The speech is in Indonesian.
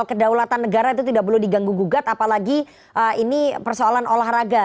kedaulatan negara itu tidak perlu diganggu gugat apalagi ini persoalan olahraga